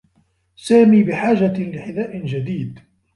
سامي بحاجة لحذاء جديد.